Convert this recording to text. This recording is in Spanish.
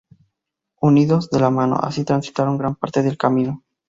Unidos, de la mano, así transitaron gran parte del camino.